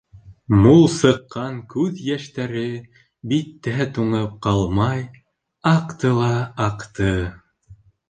Мул сыҡҡан күҙ йәштәре, биттә туңып ҡалмай, аҡты ла аҡты.